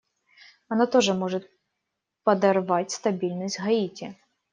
Она тоже может подорвать стабильность Гаити.